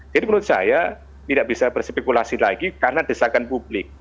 jadi menurut saya tidak bisa berspekulasi lagi karena desakan publik